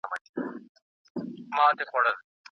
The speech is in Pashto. تاسو ډېر ښه ټکي په ګوته کړل.